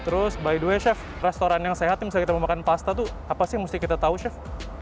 terus by the way chef restoran yang sehat misalnya kita mau makan pasta tuh apa sih yang mesti kita tahu chef